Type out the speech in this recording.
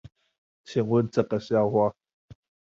請問這個笑話